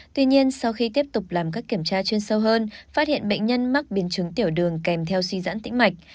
tuy nhiên sau khi tiếp tục làm các kiểm tra chuyên sâu hơn phát hiện bệnh nhân mắc biến chứng tiểu đường kèm theo suy giãn tĩnh mạch